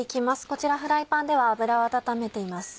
こちらフライパンでは油を温めています。